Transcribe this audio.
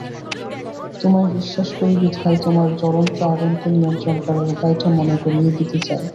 তোমায় বিশ্বাস করি বিধায় তোমার জ্বলন্ত আগুনকে নিয়ন্ত্রণ করার উপায়টা মনে করিয়ে দিতে চাই।